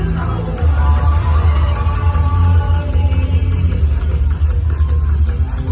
มันเป็นเมื่อไหร่แล้ว